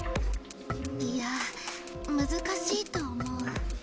いやむずかしいと思う。